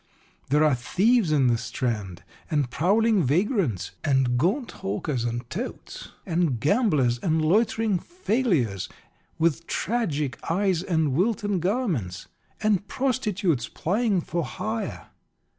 There are thieves in the Strand, and prowling vagrants, and gaunt hawkers, and touts, and gamblers, and loitering failures, with tragic eyes and wilted garments; and prostitutes plying for hire.